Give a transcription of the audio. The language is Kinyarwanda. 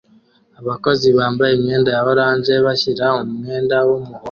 Abakozi bambaye imyenda ya orange bashyira umwenda wumuhondo